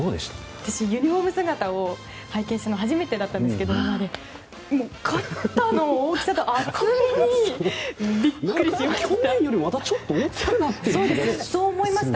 私、ユニホーム姿を拝見したのは初めてだったんですけど肩の大きさと厚みにビックリしました。